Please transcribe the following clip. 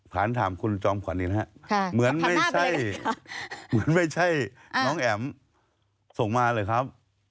ผ่านถามคุณจอมขวัญนะฮะเหมือนไม่ใช่น้องแอ๋มส่งมาเลยครับ